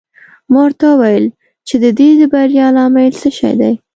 ما ورته وویل چې د دې د بریا لامل څه شی دی.